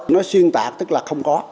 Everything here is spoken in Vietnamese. nó xuyên tạc tức là không có